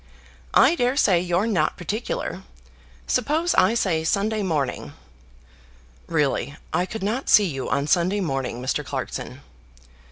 I daresay you're not particular. Suppose I say Sunday morning." "Really, I could not see you on Sunday morning, Mr. Clarkson."